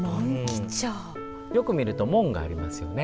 よく見ると、紋がありますよね。